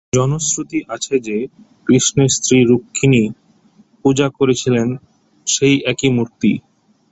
জনশ্রুতি আছে যে, কৃষ্ণের স্ত্রী রুক্মিণী পূজা করেছিলেন সেই একই মূর্তি।